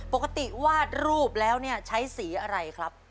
ปกติวาดรูปแล้วเนี่ยใช้สีอะไรครับ